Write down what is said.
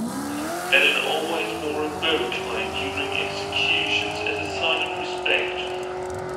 Allen always wore a bow tie during executions as a sign of respect.